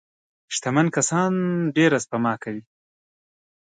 شتمن کسان ډېره سپما کوي.